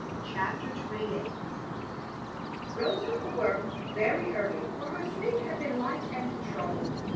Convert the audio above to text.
CHAPTER XXVIII Rosa awoke very early, for her sleep had been light and troubled.